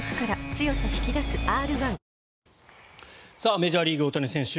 メジャーリーグ、大谷選手